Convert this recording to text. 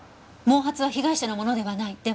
毛髪は被害者のものではない。